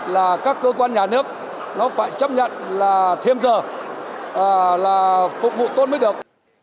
là các cơ quan nhà nước nó phải chấp nhận là thêm giờ là phục vụ tốt mới được